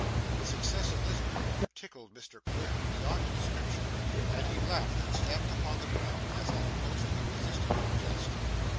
The success of this manoeuvre tickled Mr Quilp beyond description, and he laughed and stamped upon the ground as at a most irresistible jest.